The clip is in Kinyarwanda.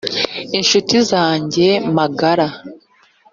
incuti zanjye magara